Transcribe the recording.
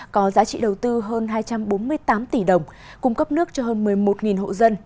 có giá trị đầu tư hơn hai trăm bốn mươi tám tỷ đồng cung cấp nước cho hơn một mươi một hộ dân